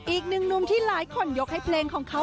อีกหนึ่งหนุ่มที่หลายคนยกให้เพลงของเขา